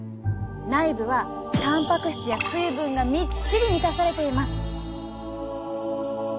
内部はたんぱく質や水分がみっちり満たされています。